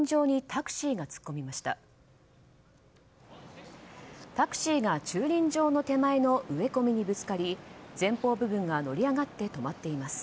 タクシーが、駐輪場の手前の植え込みにぶつかり前方部分が乗り上がって止まっています。